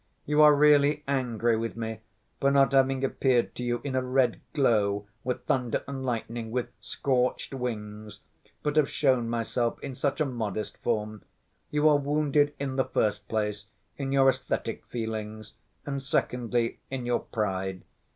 "You are really angry with me for not having appeared to you in a red glow, with thunder and lightning, with scorched wings, but have shown myself in such a modest form. You are wounded, in the first place, in your esthetic feelings, and, secondly, in your pride.